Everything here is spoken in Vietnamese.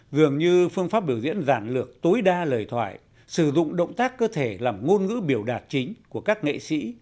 dường như phương pháp biểu diễn giản lược tối đa lời thoại sử dụng động tác cơ thể làm ngôn ngữ biểu đạt chính của các nghệ sĩ